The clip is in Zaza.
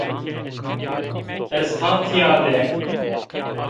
Ez ha tîya de